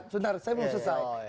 sebentar saya belum selesai